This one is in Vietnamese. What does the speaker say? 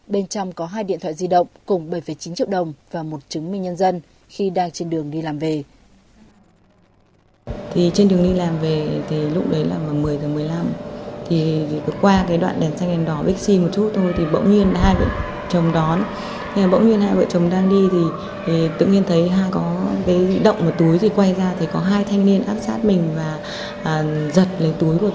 bên trong có hai điện thoại di động cùng bảy chín triệu đồng và một chứng minh nhân dân khi đang trên đường đi làm về